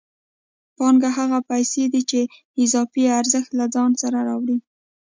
پانګه هغه پیسې دي چې اضافي ارزښت له ځان سره راوړي